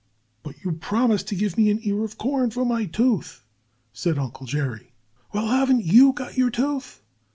"But you promised to give me an ear of corn for my tooth!" said Uncle Jerry. "Well, haven't you got your tooth?"